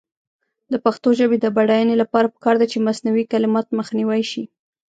د پښتو ژبې د بډاینې لپاره پکار ده چې مصنوعي کلمات مخنیوی شي.